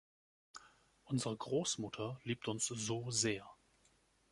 Unsere Großmutter liebt uns so sehr.